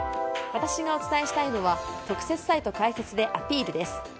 私がお伝えしたいのは特設サイト開設でアピールです。